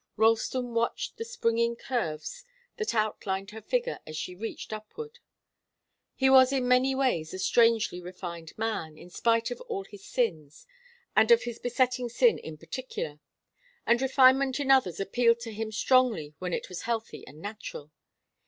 Ralston watched the springing curves that outlined her figure as she reached upward. He was in many ways a strangely refined man, in spite of all his sins, and of his besetting sin in particular, and refinement in others appealed to him strongly when it was healthy and natural.